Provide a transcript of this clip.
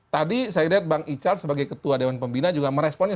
tadi saya lihat bang ical sebagai ketua dewan pembina juga meresponnya